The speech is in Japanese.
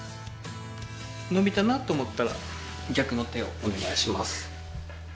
伸びたなと思ったら逆の手をお願いします。